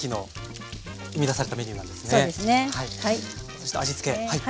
そして味付けはい。